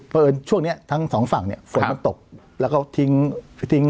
ประเออนช่วงเนี้ยทั้งสองฝั่งเนี้ยฝนมันตกแล้วก็ทิ้ง